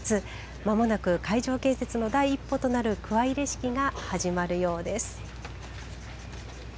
間もなく会場建設の第一歩となるくわいれ式が始まるようです。